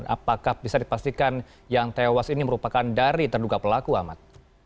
apakah bisa dipastikan yang tewas ini merupakan dari terduga pelaku ahmad